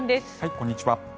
こんにちは。